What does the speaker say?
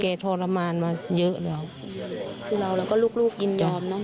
คือเราก็ลูกยินยอมเนอะแม่